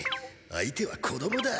相手は子どもだ。